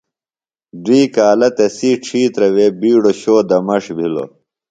دُوئئ کالہ تسی ڇھیترہ وےۡ بیڈو شو دمݜ بھِلوۡ۔